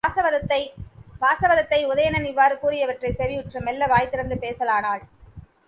வாசவதத்தை, உதயணன் இவ்வாறு கூறியவற்றைச் செவியுற்று மெல்ல வாய்திறந்து பேசனாலாள்.